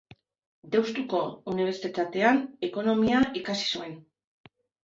Deustuko Unibertsitatean ekonomia ikasi zuen.